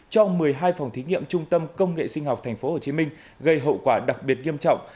trong một mươi hai phòng thí nghiệm trung tâm công nghệ sinh học tp hcm gây hậu quả đặc biệt nghiêm trọng